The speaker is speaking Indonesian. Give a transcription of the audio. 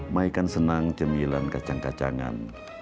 mai kan senang cemilan kacang kacangan